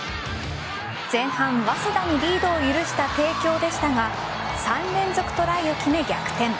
前半、早稲田にリードを許した帝京でしたが３連続トライを決め逆転。